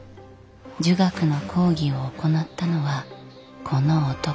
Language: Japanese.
儒学の講義を行ったのはこの男。